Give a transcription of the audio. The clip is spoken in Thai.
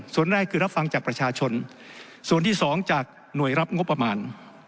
ส่วนแรกคือรับฟังจากประชาชนส่วนที่สองจากหน่วยรับงบประมาณ